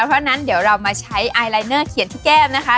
เพราะฉะนั้นเดี๋ยวเรามาใช้ไอลายเนอร์เขียนที่แก้มนะคะ